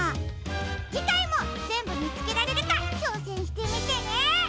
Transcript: じかいもぜんぶみつけられるかちょうせんしてみてね！